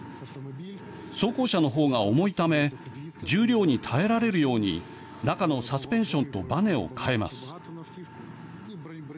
装甲車の方が重いため重量に耐えられるように中のサスペンションとばねを変えます。